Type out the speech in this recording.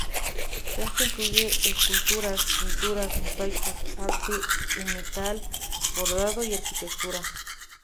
Esto incluye esculturas, pinturas, mosaicos, arte en metal, bordado y arquitectura.